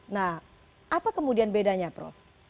nah apa kemudian bedanya prof